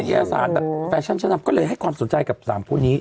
แก่สารแต่แฟชั่นฉะนั้นก็เลยให้ความสนใจกับสามคู่นี้